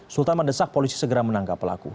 sultan mendesak polisi segera menangkap pelaku